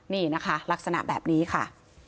นี่นะคะลักษณะแบบนี้ค่ะ